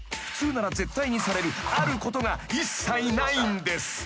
［普通なら絶対にされるあることが一切ないんです］